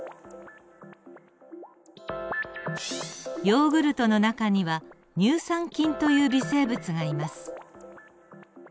ヨーグルトの中には乳酸菌という微生物がいます。